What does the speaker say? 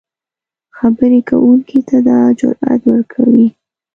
خبرې کوونکي ته دا جرات ورکوي